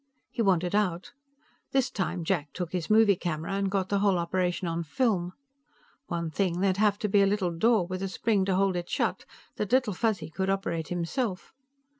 He wanted out; this time Jack took his movie camera and got the whole operation on film. One thing, there'd have to be a little door, with a spring to hold it shut, that little Fuzzy could operate himself.